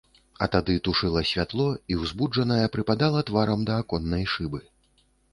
А тады тушыла святло і, узбуджаная, прыпадала тварам да аконнай шыбы.